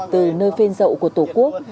từ nơi phiên dậu của tổ quốc